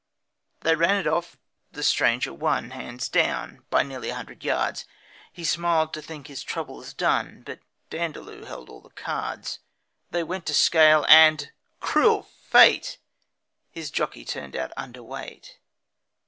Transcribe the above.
They ran it off; the stranger won, Hands down, by near a hundred yards He smiled to think his troubles done; But Dandaloo held all the cards. They went to scale and cruel fate! His jockey turned out under weight.